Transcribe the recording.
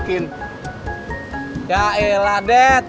nah lu nro ikut ya soalnya biar ada yang ngomong gua takut sama mbak binter